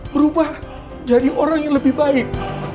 berubah jadi orang yang lebih baik